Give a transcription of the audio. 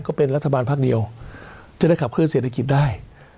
ก็เป็นรัฐบาลพักเดียวจะได้ขับเคลื่อเศรษฐกิจได้